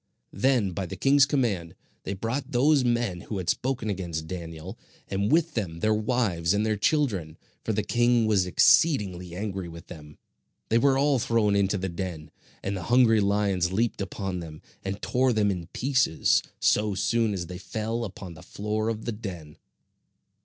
Then by the king's command, they brought those men who had spoken against Daniel, and with them their wives and their children, for the king was exceedingly angry with them. They were all thrown into the den, and the hungry lions leaped upon them, and tore them in pieces, so soon as they fell upon the floor of the den.